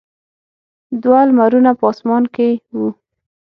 دوه لمرونه په اسمان کې وو.